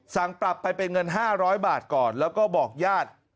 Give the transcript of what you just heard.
สั่งปรับไปเป็นเงิน๕๐๐บาทก่อนแล้วก็บอกญาติ